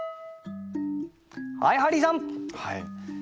はいハリーさん。